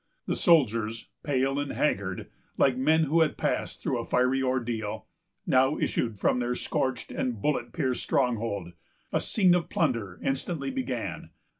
The soldiers, pale and haggard, like men who had passed through a fiery ordeal, now issued from their scorched and bullet pierced stronghold. A scene of plunder instantly began.